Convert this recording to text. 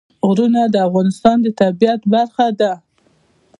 غرونه د افغانستان د طبیعت برخه ده.